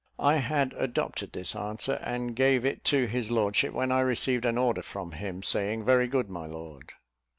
I had adopted this answer, and gave it to his lordship when I received an order from him, saying "Very good, my lord."